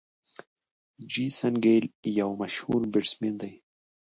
جیسن ګيل یک مشهور بيټسمېن دئ.